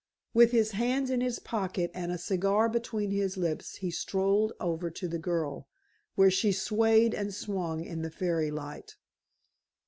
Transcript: With his hands in his pockets and a cigar between his lips he strolled over to the girl, where she swayed and swung in the fairy light.